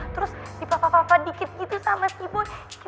terus dipapah papah dikit gitu sama si boy